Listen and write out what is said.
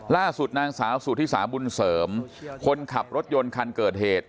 ล่าสุดนางสาวสุธิสาบุญเสริมคนขับรถยนต์คันเกิดเหตุ